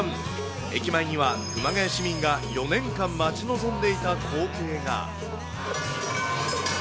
駅前には、熊谷市民が４年間待ち望んでいた光景が。